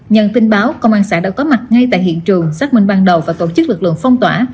nhận tin báo công an xã đã có mặt ngay tại hiện trường xác minh ban đầu và tổ chức lực lượng phong tỏa